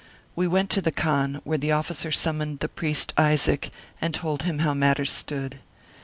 We went to the khan, where the officer summoned the priest Isaac and told him how matters stood.